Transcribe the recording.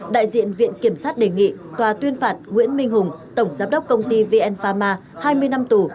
đại diện viện kiểm sát đề nghị tòa tuyên phạt nguyễn minh hùng tổng giám đốc công ty vn pharma hai mươi năm tù